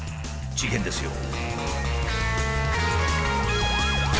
事件ですよ。